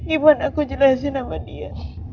iman aku jelasin sama dia